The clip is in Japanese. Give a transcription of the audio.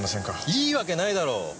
いいわけないだろ！